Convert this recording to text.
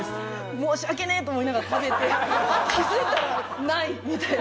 申し訳ねえ！と思いながら食べて気づいたらないみたいな。